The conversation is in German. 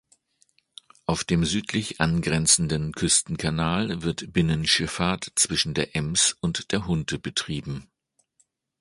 Auf dem südlich angrenzenden Küstenkanal wird Binnenschifffahrt zwischen der Ems und der Hunte betrieben.